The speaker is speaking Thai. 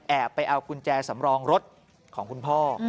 ไปเอากุญแจสำรองรถของคุณพ่อ